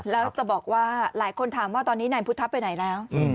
แล้วจะบอกว่าหลายคนถามว่าตอนนี้นายพุทธไปไหนแล้ว